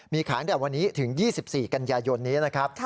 มีขายตั้งแต่วันนี้ถึง๒๔กันยายนนี้นะครับ